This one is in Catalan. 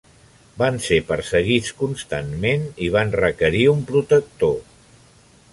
Van ser perseguits constantment i van requerir un protector.